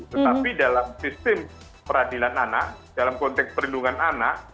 tetapi dalam sistem peradilan anak dalam konteks perlindungan anak